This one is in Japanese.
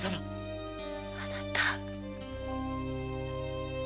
あなた！